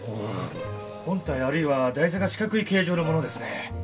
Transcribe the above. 本体あるいは台座が四角い形状のものですね。